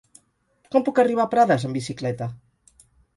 Com puc arribar a Prades amb bicicleta?